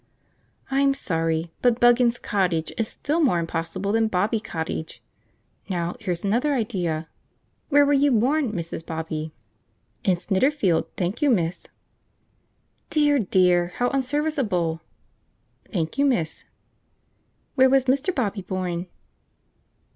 "I'm sorry, but 'Buggins Cottage' is still more impossible than 'Bobby Cottage.' Now here's another idea: where were you born, Mrs. Bobby?" "In Snitterfield, thank you, miss." "Dear, dear! how unserviceable!" "Thank you, miss." "Where was Mr. Bobby born?"